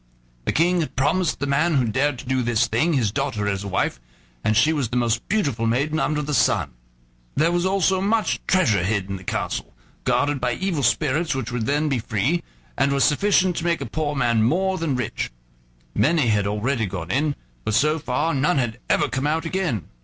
The King had promised the man who dared to do this thing his daughter as wife, and she was the most beautiful maiden under the sun. There was also much treasure hid in the castle, guarded by evil spirits, which would then be free, and was sufficient to make a poor man more than rich. Many had already gone in, but so far none had ever come out again.